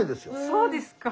そうですか。